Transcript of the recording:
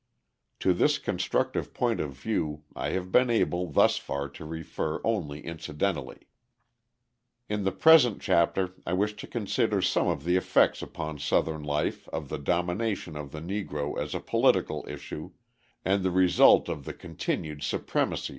To this constructive point of view I have been able, thus far, to refer only incidentally. In the present chapter I wish to consider some of the effects upon Southern life of the domination of the Negro as a political issue, and the result of the continued supremacy of leaders like Tillman.